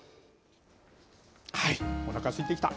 おなかすいてきた。